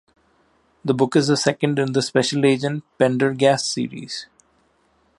The book is the second in the Special Agent Pendergast series.